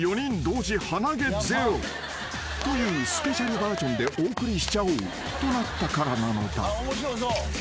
［というスペシャルバージョンでお送りしちゃおうとなったからなのだ］